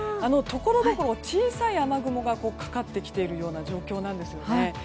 ところどころ小さい雨雲がかかってきている状況なんです。